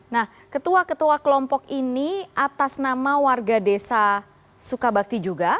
nah ketua ketua kelompok ini atas nama warga desa sukabakti juga